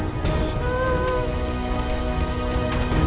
aku akan menang